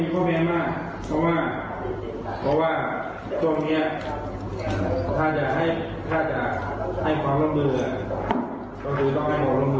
จะมีข้อเม้นมากเพราะว่าตรงนี้ถ้าจะให้ความล่มลือก็ต้องให้ความล่มลือ